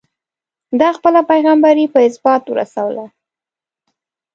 ده خپله پيغمبري په ازبات ورسوله.